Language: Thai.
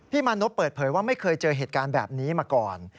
มานพเปิดเผยว่าไม่เคยเจอเหตุการณ์แบบนี้มาก่อน